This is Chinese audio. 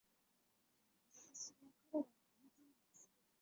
蔡汉卿参加了战斗。